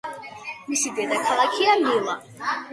მისი დედაქალაქია მილა.